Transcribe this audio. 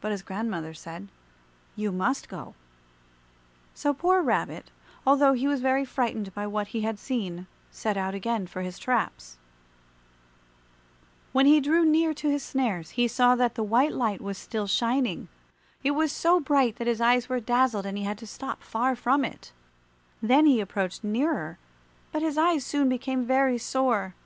But his grandmother said, "You must go." So poor Rabbit, although he was very frightened by what he had seen, set out again for his traps. [Illustration: HE SAT VERY QUIET, WAITING FOR THE MAN OF THE LONG FOOT TO APPEAR] When he drew near to his snares he saw that the white light was still shining. It was so bright that his eyes were dazzled and he had to stop far from it. Then he approached nearer, but his eyes soon became very sore.